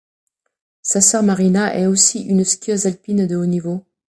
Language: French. Sa sœur Maryna est aussi une skieuse alpine de haut niveau.